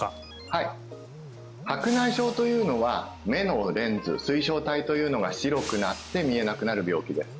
はい白内障というのは目のレンズ水晶体というのが白くなって見えなくなる病気です